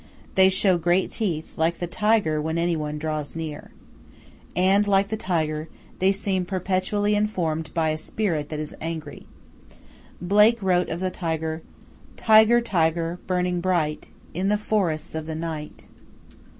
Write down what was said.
They show great teeth, like the tiger when any one draws near. And, like the tiger, they seem perpetually informed by a spirit that is angry. Blake wrote of the tiger: "Tiger, tiger, burning bright In the forests of the night."